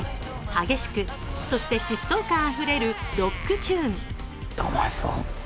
激しく、そして疾走感あふれるロックチューン。